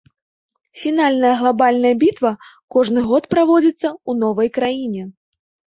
Фінальная глабальная бітва кожны год праводзіцца ў новай краіне.